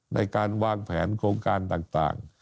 ในการวางแผนโครงการต่าง